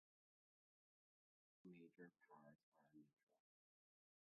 All other Major Powers are neutral.